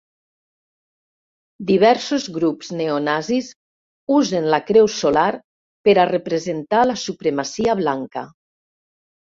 Diversos grups neonazis usen la creu solar per a representar la supremacia blanca.